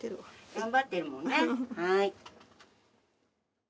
頑張っているもんね。